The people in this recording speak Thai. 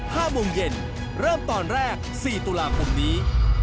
ห้าโมงเย็นเริ่มตอนแรกสี่ตุลาคมนี้